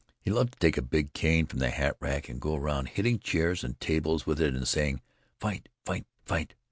He loved to take a big cane from the hat rack and go around hitting chairs and tables with it and saying: "Fight, fight, fight."